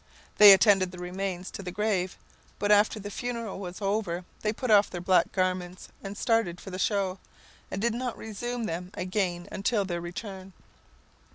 They attended the remains to the grave, but after the funeral was over they put off their black garments and started for the show, and did not resume them again until after their return.